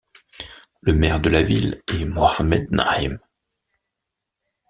Le maire de la ville est Mohamed Naeem.